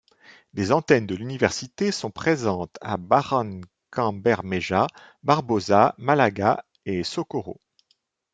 Des antennes de l'université sont présentes à Barrancabermeja, Barbosa, Málaga et Socorro.